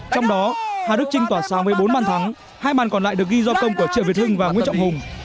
trong đó hà đức trinh tỏa sáu mươi bốn bàn thắng hai bàn còn lại được ghi do công của triệu việt hưng và nguyễn trọng hùng